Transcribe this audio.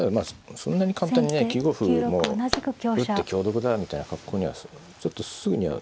そんなに簡単にね９五歩もう打って香得だみたいな格好にはちょっとすぐには難しいですね。